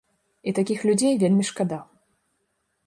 І такіх людзей вельмі шкада.